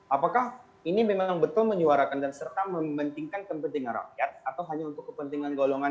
apakah ini memang betul menyuarakan dan serta mementingkan kepentingan rakyat atau hanya untuk kepentingan golongan